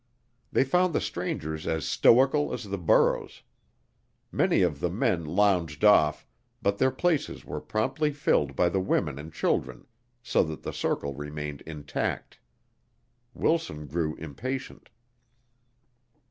They found the strangers as stoical as the burros. Many of the men lounged off, but their places were promptly filled by the women and children so that the circle remained intact. Wilson grew impatient.